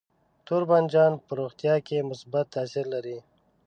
تور بانجان په روغتیا کې مثبت تاثیر لري.